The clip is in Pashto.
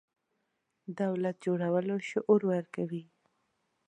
دولت جوړولو شعور ورکوي.